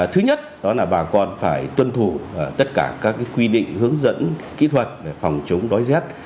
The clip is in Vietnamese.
thứ nhất đó là bà con phải tuân thủ tất cả các quy định hướng dẫn kỹ thuật để phòng chống đói rét